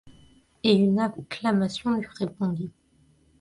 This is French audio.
Et une acclamation lui répondit !